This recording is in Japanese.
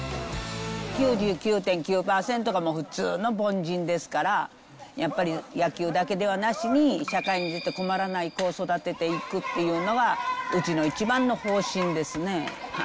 ９９．９％がもう普通の凡人ですから、やっぱり野球だけではなしに、社会に出て困らない子を育てていくというのが、うちの一番の方針ですね。